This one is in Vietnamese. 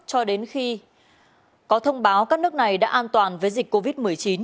cho đến khi có thông báo các nước này đã an toàn với dịch covid một mươi chín